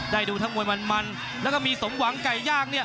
ดูทั้งมวยมันแล้วก็มีสมหวังไก่ย่างเนี่ย